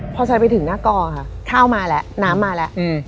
พอซอยไปถึงหน้ากอค่ะข้าวมาแล้วน้ำมาแล้ว